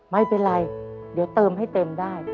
ไม่เป็นไรเดี๋ยวเติมให้เต็มได้